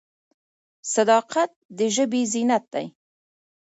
صداقت د ژبې زینت دی.